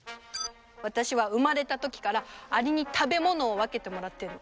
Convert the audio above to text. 私は生まれたときからアリに食べ物を分けてもらってる。